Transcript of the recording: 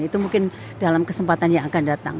itu mungkin dalam kesempatan yang akan datang